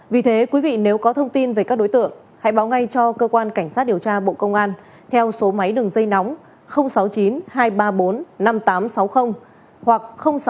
vì thế quý vị nếu có thông tin về các đối tượng hãy báo ngay cho cơ quan cảnh sát điều tra bộ công an theo số máy đường dây nóng sáu mươi chín hai trăm ba mươi bốn năm nghìn tám trăm sáu mươi hoặc sáu mươi chín hai trăm ba mươi hai một nghìn sáu trăm bảy